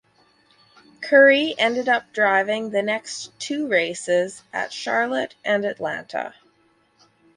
Currey ended up driving the next two races at Charlotte and Atlanta.